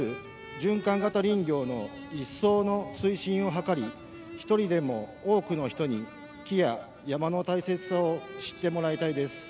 循環型林業の一層の推進を図り１人でも多くの人に木や山の大切さを知ってもらいたいです。